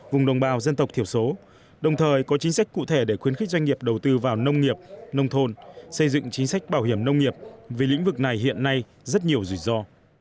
vùng đồng bào dân tộc thiểu số đồng thời có chính sách cụ thể để khuyến khích doanh nghiệp đầu tư vào nông nghiệp nông thôn xây dựng chính sách bảo hiểm nông nghiệp vì lĩnh vực này hiện nay rất nhiều rủi ro